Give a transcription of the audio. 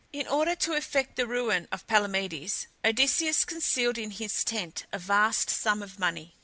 In order to effect the ruin of Palamedes, Odysseus concealed in his tent a vast sum of money.